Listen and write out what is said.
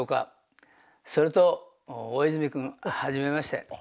それと大泉君はじめまして。